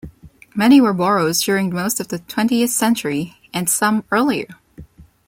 Many were boroughs during most of the twentieth century, and some earlier.